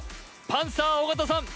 パンサー尾形さん